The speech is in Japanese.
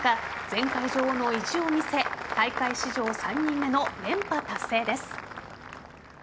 前回女王の意地を見せ大会史上３人目の連覇達成です。